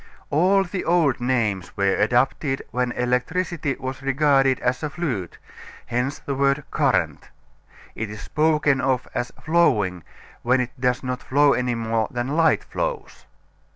All the old names were adopted when electricity was regarded as a fluid, hence the word "current." It is spoken of as "flowing" when it does not flow any more than light flows.